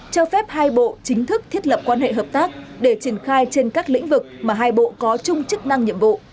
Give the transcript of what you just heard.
cho phép hai bộ chính thức thiết lập quan hệ hợp tác để triển khai trên các lĩnh vực mà hai bộ có chung chức năng nhiệm vụ